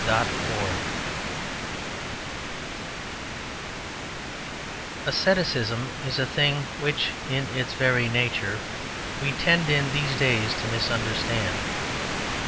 FRANCIS Asceticism is a thing which in its very nature, we tend in these days to misunderstand.